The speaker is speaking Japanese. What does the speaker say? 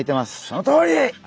そのとおり！